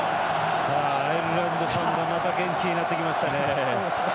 アイルランドファンがまた元気になってきましたね。